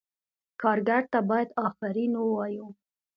کارګر ته باید آفرین ووایو.